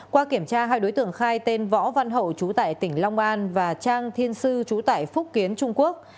qua kiểm tra hai đối tượng khai tên võ văn hậu chú tại tỉnh long an và trang thiên sư trú tải phúc kiến trung quốc